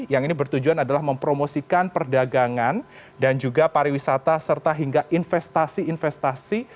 yang ini bertujuan adalah mempromosikan perdagangan dan juga pariwisata serta hingga investasi investasi